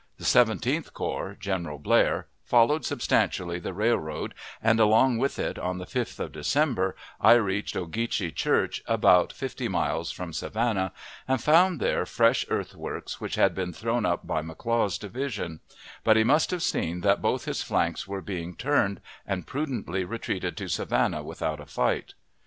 The Seventeenth Corps (General Blair) followed substantially the railroad, and, along with it, on the 5th of December, I reached Ogeechee Church, about fifty miles from Savannah, and found there fresh earthworks, which had been thrown up by McLaw's division; but he must have seen that both his flanks were being turned, and prudently retreated to Savannah without a fight.